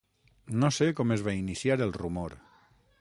No sé com es va iniciar el rumor.